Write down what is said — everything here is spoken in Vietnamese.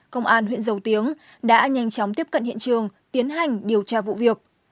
công an huyện dầu tiếng đã nhanh chóng tiếp cận hiện trường tiến hành điều tra vụ việc